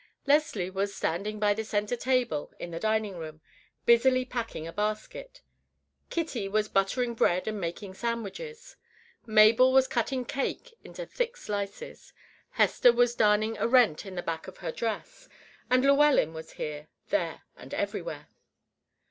Leslie was standing by the center table in the dining room, busily packing a basket. Kitty was buttering bread and making sandwiches, Mabel was cutting cake into thick slices, Hester was darning a rent in the back of her dress, and Llewellyn was here, there, and everywhere.